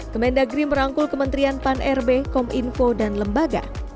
kemendagri merangkul kementerian pan rb kom info dan lembaga